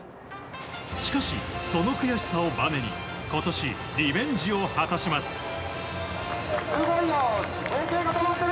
しかし、その悔しさをばねに今年リベンジを果たします。